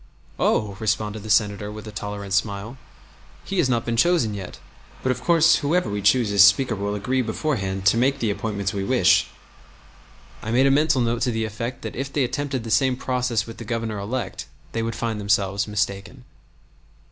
"Oh!" responded the Senator, with a tolerant smile, "He has not been chosen yet, but of course whoever we choose as Speaker will agree beforehand to make the appointments we wish." I made a mental note to the effect that if they attempted the same process with the Governor elect they would find themselves mistaken.